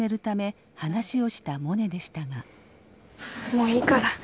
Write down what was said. もういいから。